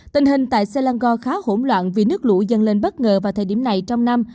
tình hình tại selangor khá hỗn loạn vì nước lũ dần lên bất ngờ vào thời điểm này trong năm